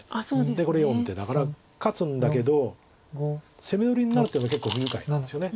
でこれ４手だから勝つんだけど攻め取りになるっていうのは結構不愉快なんですよね。